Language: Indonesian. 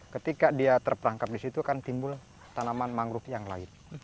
ketika dia terperangkap di situ akan timbul tanaman mangrove yang lain